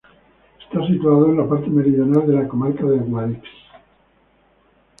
Está situado en la parte meridional de la comarca de Guadix.